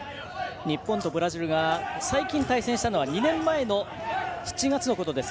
日本とブラジルが最近対戦したのは２年前の７月のことです。